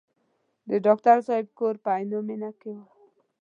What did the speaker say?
د ډاکټر صاحب کور په عینومېنه کې و.